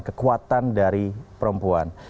kekuatan dari perempuan